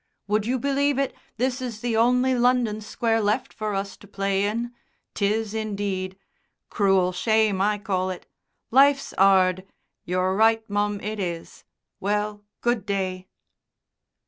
Would you believe it, this is the only London square left for us to play in?... 'Tis, indeed. Cruel shame, I call it; life's 'ard.... You're right, mum, it is. Well, good day."